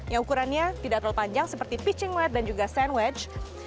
yang ukurannya tidak terlalu panjang seperti pitching net dan juga sand wedge